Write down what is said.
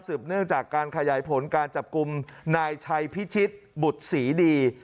เนื่องจากการขยายผลการจับกลุ่มนายชัยพิชิตบุตรศรีดี